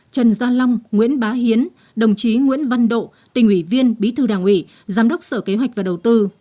trần gia long nguyễn bá hiến đồng chí nguyễn văn độ tỉnh ủy viên bí thư đảng ủy giám đốc sở kế hoạch và đầu tư